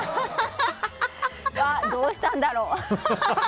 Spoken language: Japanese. どうしたんだろう。